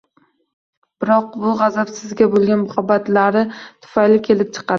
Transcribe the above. Biroq bu g‘azab sizga bo‘lgan muhabbatlari tufayi kelib chiqadi.